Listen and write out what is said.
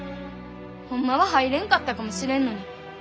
ホンマは入れんかったかもしれんのに。